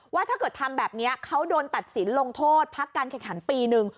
ว่าถ้าเกิดทำแบบนี้เขาโดนตัดสินลงโทษพักการแข่งขันปีหนึ่ง